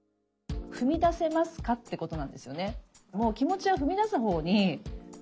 「踏み出せますか？」ってことなんですよね。